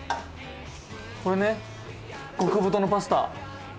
これね極太のパスタ。